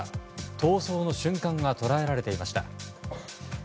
逃走の瞬間が捉えられていました。